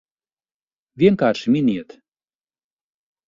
Vienkārši miniet!